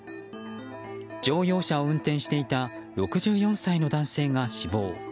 乗用車を運転していた６４歳の男性が死亡。